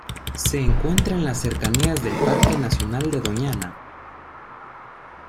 Se encuentra en las cercanías del Parque nacional de Doñana.